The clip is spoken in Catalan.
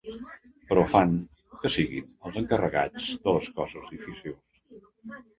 Però fan que siguin els encarregats de les coses difícils.